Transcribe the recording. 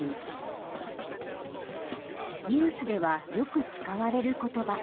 ニュースではよく使われる言葉。